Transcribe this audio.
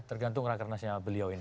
tergantung rakernasnya beliau ini